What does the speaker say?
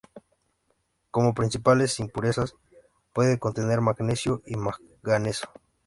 Como principales impurezas puede contener magnesio y manganeso.